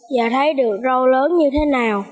và thấy được rau lớn như thế nào